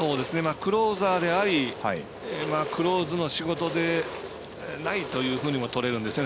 クローザーでありクローズの仕事でないというふうにもとれるんですよね。